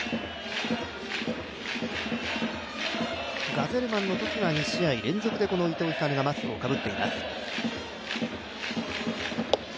ガゼルマンのときは２試合連続で伊藤光がマスクをかぶっています。